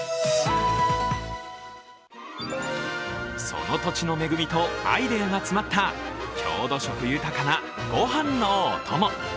その土地の恵みとアイデアが詰まった郷土色豊かなご飯のお供。